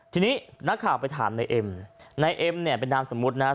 ทีนี้นักข่าวไปถามนายเอ็มนายเอ็มเนี่ยเป็นนามสมมุตินะครับ